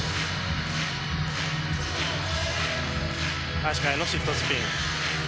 足換えのシットスピン。